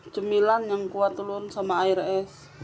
camilan yang kuat lho sama air es